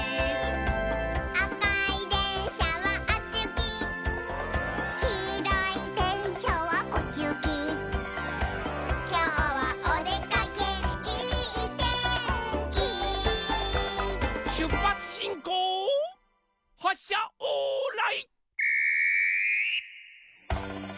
「あかいでんしゃはあっちゆき」「きいろいでんしゃはこっちゆき」「きょうはおでかけいいてんき」しゅっぱつしんこうはっしゃオーライ。